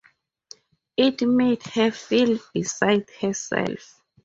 It made her feel beside herself.